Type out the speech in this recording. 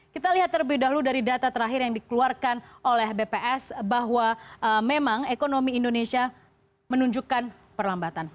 kita lihat terlebih dahulu dari data terakhir yang dikeluarkan oleh bps bahwa memang ekonomi indonesia menunjukkan perlambatan